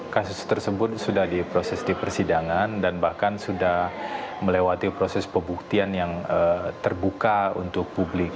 kasus tersebut sudah diproses di persidangan dan bahkan sudah melewati proses pembuktian yang terbuka untuk publik